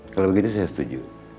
kalau begitu saya setuju